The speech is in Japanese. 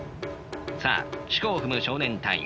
さあしこを踏む少年隊員。